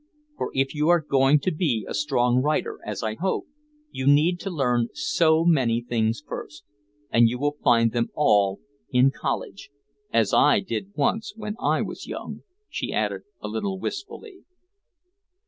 For if you are going to be a strong writer, as I hope, you need to learn so many things first. And you will find them all in college as I did once when I was young," she added a little wistfully.